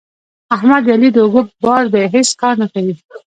احمد د علي د اوږو بار دی؛ هیڅ کار نه کوي.